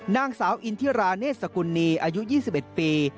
นางสาวอินทิราเนศสกุลนีอายุ๒๑ปี